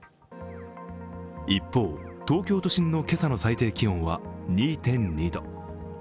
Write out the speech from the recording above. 一方、東京都心の今朝の最低気温は２．２度。